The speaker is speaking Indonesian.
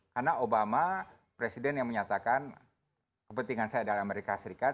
karena obama presiden yang menyatakan kepentingan saya adalah amerika serikat